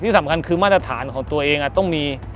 สำคัญคือมาตรฐานของตัวเองต้องมี